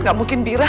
gak mungkin birah